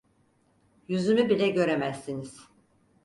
Yüzümü bile göremezsiniz.